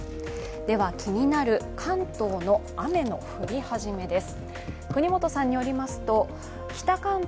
では気になる関東の雨の降り始めです。